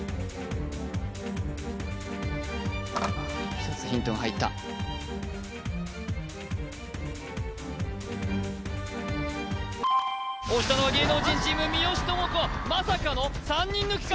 １つヒントが入った押したのは芸能人チーム三好智子まさかの３人抜きか？